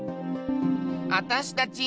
あたしたちぃ